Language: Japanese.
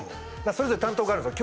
それぞれ担当があるんですよ